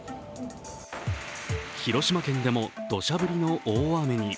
広島県でも、どしゃ降りの大雨に。